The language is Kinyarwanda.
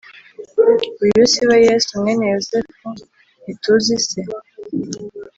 Uyu si we Yesu mwene Yosefu ntituzi se